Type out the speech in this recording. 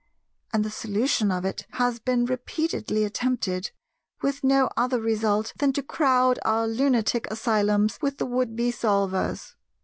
and the solution of it has been repeatedly attempted, with no other result than to crowd our lunatic asylums with the would be solvers.